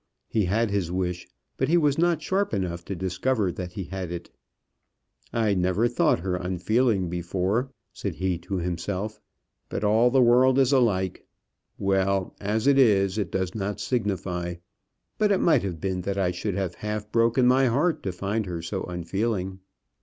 He had his wish; but he was not sharp enough to discover that he had it. "I never thought her unfeeling before," said he to himself. "But all the world is alike. Well; as it is, it does not signify; but it might have been that I should have half broken my heart to find her so unfeeling.